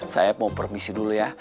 saya mau permisi dulu ya